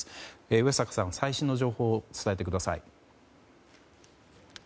上坂さん、最新の情報を伝えてください。